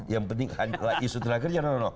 yang penting adalah isu telah kerja